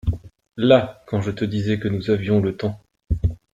Là ! quand je te disais que nous avions le temps…